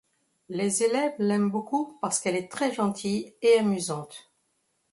Les élèves l'aiment beaucoup parce qu'elle est très gentille et amusante.